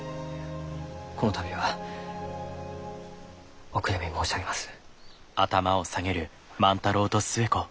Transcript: この度はお悔やみ申し上げます。